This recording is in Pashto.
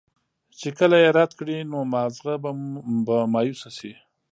چې کله ئې رد کړي نو مازغۀ به مايوسه شي